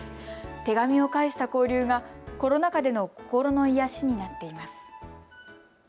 手紙を介した交流がコロナ禍での心の癒やしになっています。